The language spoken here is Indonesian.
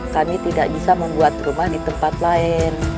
kami tidak bisa membuat rumah di tempat lain